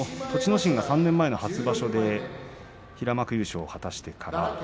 心が３年前の初場所平幕優勝を果たしました。